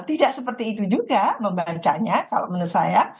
tidak seperti itu juga membacanya kalau menurut saya